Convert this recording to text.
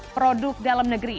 produk dalam negeri